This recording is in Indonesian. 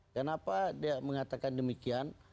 kenapa dia mengatakan demikian